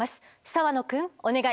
澤野くんお願い。